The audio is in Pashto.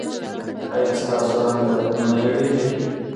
ایا ستاسو رنګ به نه زیړیږي؟